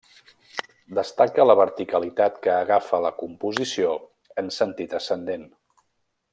Destaca la verticalitat que agafa la composició en sentit ascendent.